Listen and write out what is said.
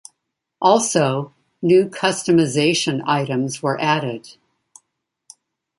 Also, new customization items were added.